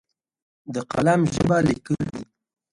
د قلم ژبه لیکل دي!